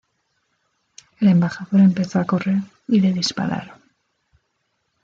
El embajador empezó a correr y le dispararon.